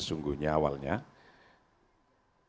jangan lupa sekitar top lima